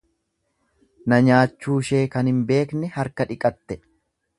Na nyaachuushee kan hin beekne harka dhiqatte.